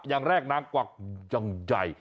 อย่างแรกนางกวักยังใหญ่